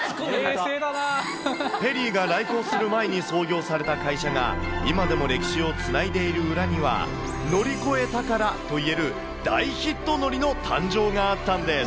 ペリーが来航する前に創業された会社が、今でも歴史をつないでいる裏には、乗り越え宝といえる大ヒット海苔の誕生があったんです。